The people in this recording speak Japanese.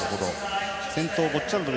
先頭はボッチャルド。